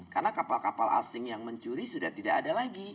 karena kapal kapal asing yang mencuri sudah tidak ada lagi